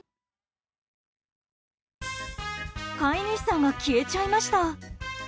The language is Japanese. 飼い主さんが消えちゃいました。